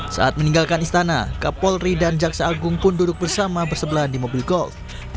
saat meninggalkan istana kapolri dan jaksa agung pun duduk bersama bersebelahan di mobil golf